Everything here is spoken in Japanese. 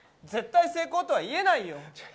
絶対成功とは言えないよ。